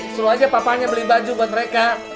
suruh aja papanya beli baju buat mereka